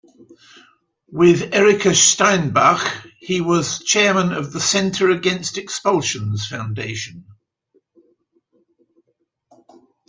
With Erika Steinbach, he was chairman of the "Centre Against Expulsions" foundation.